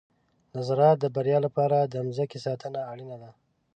د زراعت د بریا لپاره د مځکې ساتنه اړینه ده.